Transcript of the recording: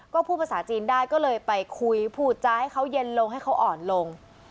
ก็พูดภาษาจีนได้ก็เลยไปคุยพูดจาให้เขาเย็นลงให้เขาอ่อนลง